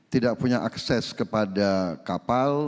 tidak punya akses kepada kapal